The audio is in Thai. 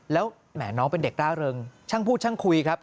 แล้วแหมน้องเป็นเด็กร่าเริงช่างพูดช่างคุยครับ